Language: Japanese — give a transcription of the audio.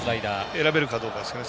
選べるかどうかですね